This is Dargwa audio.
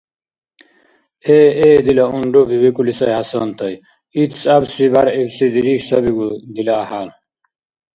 — Э-э, дила унруби, — викӀули сай ХӀясантай, — Ит цӀябси, бяргӀибси дирихь сабригу дила гӀяхӀял.